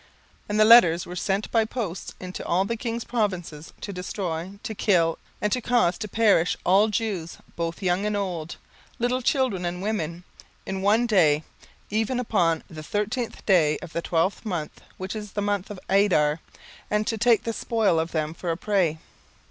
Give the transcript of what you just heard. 17:003:013 And the letters were sent by posts into all the king's provinces, to destroy, to kill, and to cause to perish, all Jews, both young and old, little children and women, in one day, even upon the thirteenth day of the twelfth month, which is the month Adar, and to take the spoil of them for a prey.